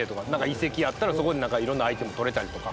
遺跡あったらそこでいろんなアイテムを取れたりとか。